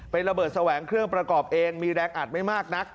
เป็นระเบิดแสวงเครื่องประกอบเองมีแรงอัดไม่มากนัก